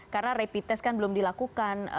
karena rapid test kan belum dilakukan